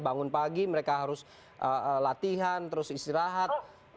bangun pagi mereka harus latihan terus istirahat